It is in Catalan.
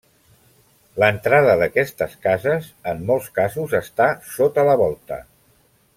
L'entrada d'aquestes cases, en molts casos està sota la volta.